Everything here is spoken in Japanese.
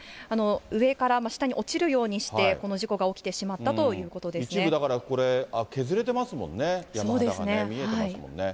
上から下に落ちるようにしてこの事故が起きてしまったということ一部だから、これ、削れてますもんね、山肌がね、見えてますもんね。